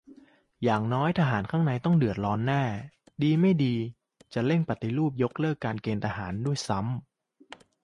อย่างน้อยทหารข้างในต้องเดือดร้อนแน่ ดีไม่ดี จะเร่งปฏิรูปยกเลิกเกณฑ์ทหารด้วยซ้ำ